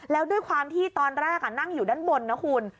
แล้วด้วยความที่ตอนแรกนั่งอยู่ด้านบนนะคุณ